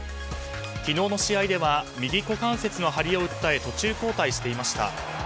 昨日の試合では右股関節の張りを訴え途中交代していました。